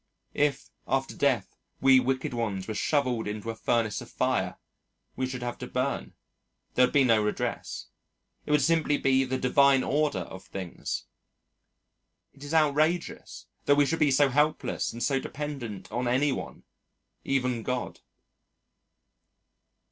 If, after Death, we wicked ones were shovelled into a furnace of fire we should have to burn. There would be no redress. It would simply be the Divine Order of things. It is outrageous that we should be so helpless and so dependent on any one even God.